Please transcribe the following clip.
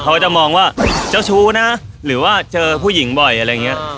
เขาจะมองว่าเจ้าชู้นะหรือว่าเจอผู้หญิงบ่อยอะไรอย่างนี้